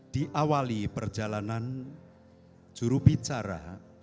di awali perjalanan jurubicara